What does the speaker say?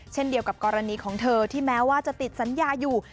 เช่นเดียวกับกรณีของเธอที่แม้ว่าจะติดสัญญาอยู่